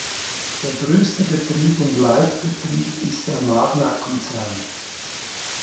Der größte Betrieb und Leitbetrieb ist der Magna Konzern.